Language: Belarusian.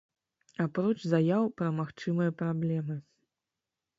Апроч заяў пра магчымыя праблемы.